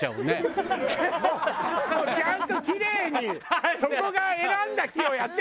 もうちゃんとキレイにそこが選んだ木をやってくれてんのよ！